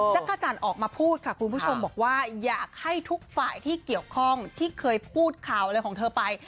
จักรจันทร์ออกมาพูดค่ะคุณผู้ชมบอกว่าอยากให้ทุกฝ่ายที่เกี่ยวข้องที่เคยพูดข่าวอะไรของเธอไป